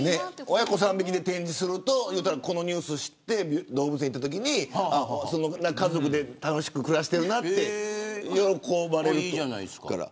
親子３匹で展示するとこのニュースを知って動物園に行ったときに家族で楽しく暮らしているなと喜ばれると思います。